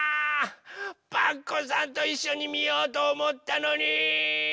パクこさんといっしょにみようとおもったのに！